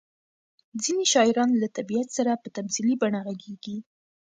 ځینې شاعران له طبیعت سره په تمثیلي بڼه غږېږي.